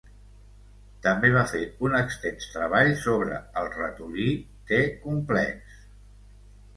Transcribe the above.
També va fer un extens treball sobre el ratolí t-complex.